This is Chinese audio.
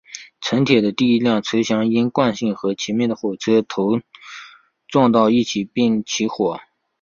城铁的第一辆车厢因惯性和前面的火车头撞到一起并起火。